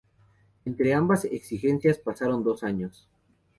Entre ambas ambas exigencias pasaron dos años.